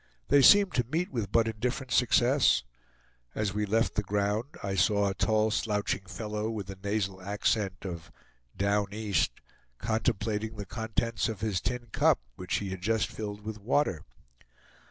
They seemed to meet with but indifferent success. As we left the ground, I saw a tall slouching fellow with the nasal accent of "down east," contemplating the contents of his tin cup, which he had just filled with water.